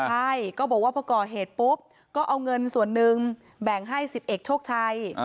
ใช่ก็บอกว่าพอก่อเหตุปุ๊บก็เอาเงินส่วนหนึ่งแบ่งให้๑๑โชคชัย